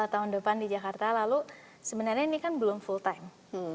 tahun depan di jakarta lalu sebenarnya ini kan belum full time